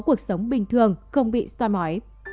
có cuộc sống bình thường không bị soan mỏi